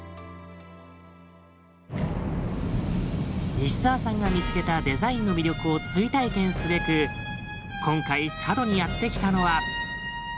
西沢さんが見つけたデザインの魅力を追体験すべく今回佐渡にやって来たのは。